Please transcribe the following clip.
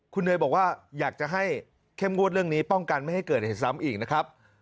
คุณเนยบอกว่าอยากจะให้เข้มงวดเรื่องนี้ป้องกันไม่ให้เกิดเหตุซ้ำอีกนะครับ